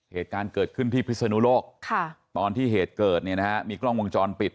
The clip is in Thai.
เหตุการณ์เกิดขึ้นที่พิศนุโลกตอนที่เหตุเกิดเนี่ยนะฮะมีกล้องวงจรปิด